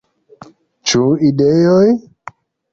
Ĉu ideoj?